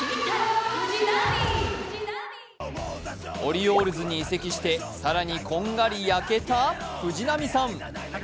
オリオールズに移籍して更にこんがり焼けた藤浪さん。